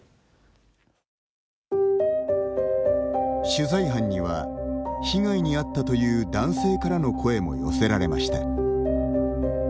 取材班には被害に遭ったという男性からの声も寄せられました。